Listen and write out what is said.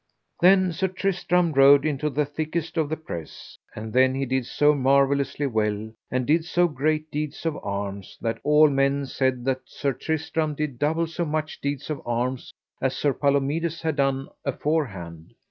Then Sir Tristram rode into the thickest of the press, and then he did so marvellously well, and did so great deeds of arms, that all men said that Sir Tristram did double so much deeds of arms as Sir Palomides had done aforehand.